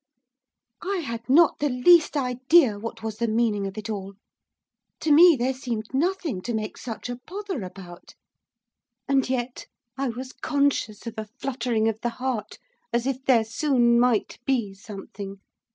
I had not the least idea what was the meaning of it all. To me there seemed nothing to make such a pother about. And yet I was conscious of a fluttering of the heart as if there soon might be something.